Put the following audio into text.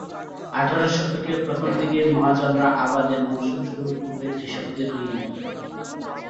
আঠারো শতকের প্রথম দিকে মহাজনরা আবাদের মৌসুম শুরুর পূর্বে কৃষকদের ঋণ দিত।